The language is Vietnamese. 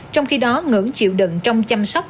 trong khi đó ngưỡng chịu đựng trong chăm sóc